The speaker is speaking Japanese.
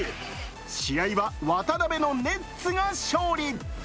試合は渡邊のネッツが勝利。